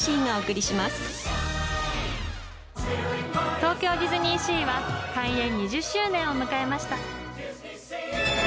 東京ディズニーシーは開園２０周年を迎えました。